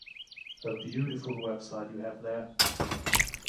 A beautiful website you have there.